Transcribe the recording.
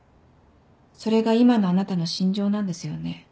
それが今のあなたの信条なんですよね。